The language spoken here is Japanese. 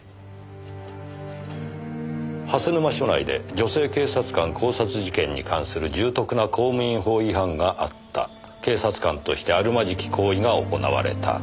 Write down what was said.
「蓮沼署内で女性警察官絞殺事件に関する重篤な公務員法違反があった」「警察官としてあるまじき行為が行われた」